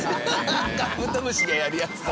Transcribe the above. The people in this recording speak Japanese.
カブトムシがやるやつだ。